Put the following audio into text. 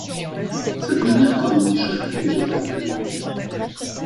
Sa dernière corniche à la neige éternelle